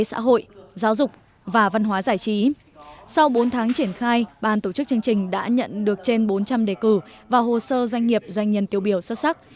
sau bốn tháng triển khai ban tổ chức chương trình đã nhận được trên bốn trăm linh đề cử và hồ sơ doanh nghiệp doanh nhân tiêu biểu xuất sắc